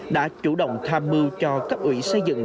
đã chủ động tham mưu cho cấp ủy xây dựng